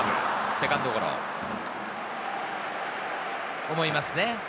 セカンドゴロ。と思いますね。